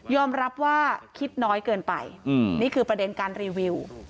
รับว่าคิดน้อยเกินไปนี่คือประเด็นการรีวิว